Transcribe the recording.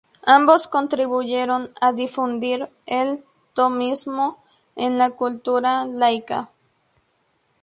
Ambos contribuyeron a difundir el tomismo en la cultura laica.